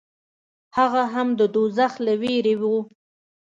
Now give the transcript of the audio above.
هغه هم د دوزخ له وېرې و.